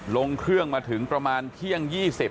ลงเครื่องมาถึงประมาณเที่ยง๒๐